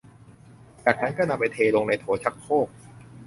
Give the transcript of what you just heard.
จากนั้นก็นำไปเทลงในโถชักโครก